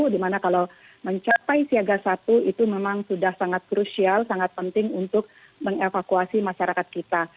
dimana kalau mencapai siaga satu itu memang sudah sangat krusial sangat penting untuk mengevakuasi masyarakat kita